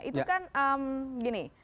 itu kan gini